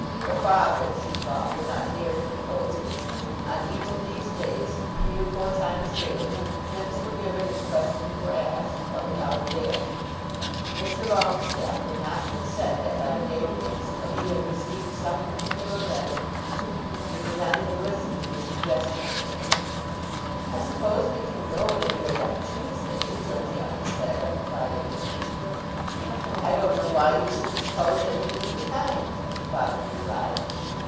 Their father, she thought, would not dare to propose it. On each of these days, three or four times daily, hints were given and questions were asked, but without avail. Mr. Longestaffe would not consent to have a day fixed till he had received some particular letter, and would not even listen to the suggestion of a day. "I suppose we can go at any rate on Tuesday," Georgiana said on the Friday evening. "I don't know why you should suppose anything of the kind," the father replied.